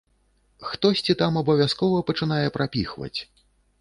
Хтосьці там абавязкова пачынае прапіхваць.